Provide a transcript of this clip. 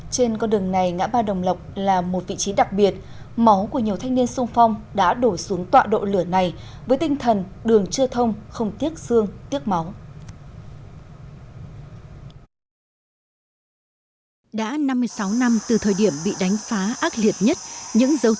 trên con đường này ngã ba đồng lộc là một vị trí đặc biệt máu của nhiều thanh niên sung phong đã đổ xuống tọa độ lửa này với tinh thần đường chưa thông không tiếc xương tiếc máu